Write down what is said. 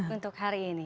untuk hari ini